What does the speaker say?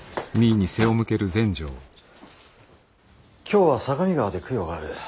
今日は相模川で供養がある。